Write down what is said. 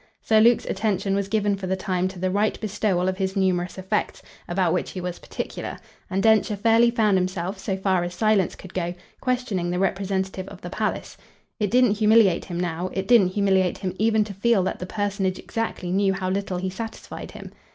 Sir Luke's attention was given for the time to the right bestowal of his numerous effects, about which he was particular, and Densher fairly found himself, so far as silence could go, questioning the representative of the palace. It didn't humiliate him now; it didn't humiliate him even to feel that that personage exactly knew how little he satisfied him.